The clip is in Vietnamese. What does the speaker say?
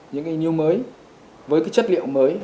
những cái niêu mới với chất liệu mới